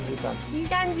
いい感じ？